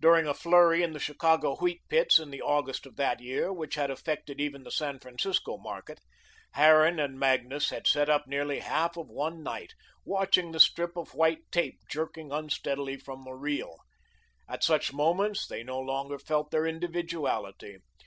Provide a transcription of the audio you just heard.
During a flurry in the Chicago wheat pits in the August of that year, which had affected even the San Francisco market, Harran and Magnus had sat up nearly half of one night watching the strip of white tape jerking unsteadily from the reel. At such moments they no longer felt their individuality.